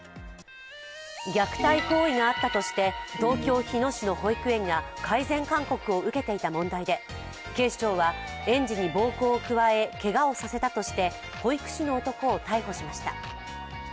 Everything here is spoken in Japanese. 虐待行為があったとして東京・日野市の保育園が改善勧告を受けていた問題で警視庁は園児に暴行をくわえけがをさせたとして保育士の男を逮捕しました。